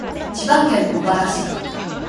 千葉県茂原市